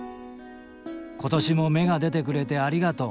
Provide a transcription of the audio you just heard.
今年も芽が出てくれてありがとう。